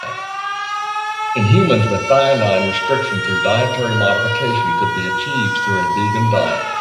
In humans, methionine restriction through dietary modification could be achieved through a vegan diet.